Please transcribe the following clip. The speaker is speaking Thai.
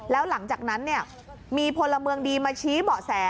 แล้วหลังจากนั้นมีพลเมืองดีมาชี้เบาะแส